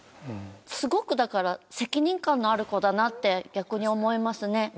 すごくだから責任感のある子だなって逆に思いますね。